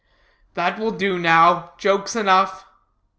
"That will do now. Jokes enough."